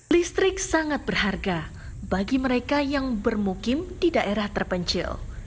listrik sangat berharga bagi mereka yang bermukim di daerah terpencil